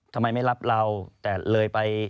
ทำไมไม่รับเราแต่เลยไป